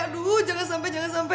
aduh jangan sampai jangan sampai